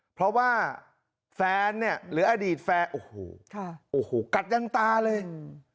เพราะว่าแฟนเนี่ยหรืออดีตแฟนโอ้โหค่ะโอ้โหกัดยังตาเลยอืม